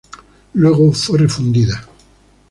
Luego fue refundida.